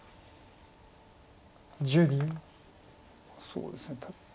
そうですね。